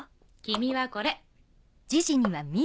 君はこれ。